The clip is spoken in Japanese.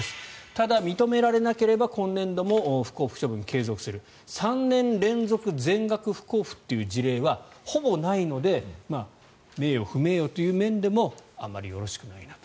ただ、認められなければ今年度も不交付処分継続する３年連続全額不交付という事例はほぼないので名誉、不名誉という面でもあまりよろしくないなと。